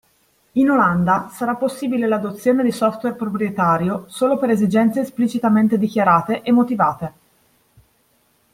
In Olanda sarà possibile l'adozione di software proprietario solo per esigenze esplicitamente dichiarate e motivate.